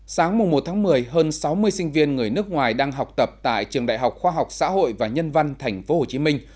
sáng mùa một tháng một mươi hơn sáu mươi sinh viên người nước ngoài đang học tập tại trường đại học khoa học xã hội và nhân văn thành phố hồ chí minh